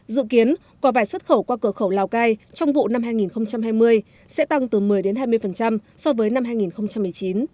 dự kiến quả vải xuất khẩu qua cửa khẩu lào cai trong vụ năm hai nghìn hai mươi sẽ tăng từ một mươi hai mươi so với năm hai nghìn một mươi chín